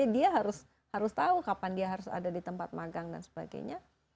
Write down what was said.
dia harus tahu kapan dia harus ada di tempat magang dan sebagainya